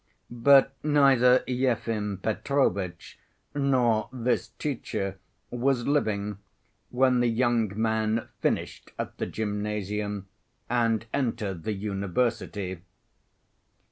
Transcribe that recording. But neither Yefim Petrovitch nor this teacher was living when the young man finished at the gymnasium and entered the university.